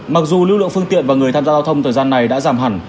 mặc dù lưu lượng phương tiện và người tham gia giao thông thời gian này đã giảm hẳn